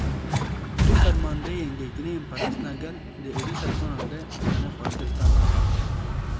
Du fermandeyên Yekîneyên Parastina Gel di êrişa dronan de canê xwe ji dest dan.